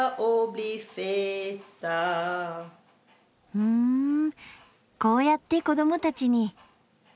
ふんこうやって子どもたちに。